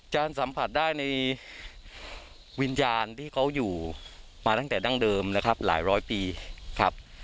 สัมผัสได้ในวิญญาณที่เขาอยู่มาตั้งแต่ดั้งเดิมนะครับหลายร้อยปีครับ